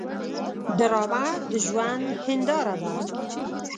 ډرامه د ژوند هنداره ده